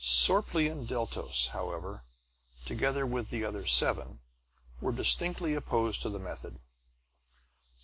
Sorplee and Deltos, however, together with the other seven, were distinctly opposed to the method.